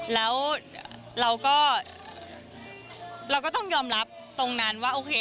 แล้วเราก็เราก็ต้องยอมรับตรงนั้นว่าโอเค